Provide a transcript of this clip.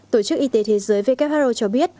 tổ chức y tế thế giới vkhro cho biết